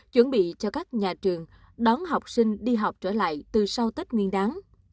chuẩn bị cho các nhà trường đón học sinh đi học trở lại từ sau tết nguyên đáng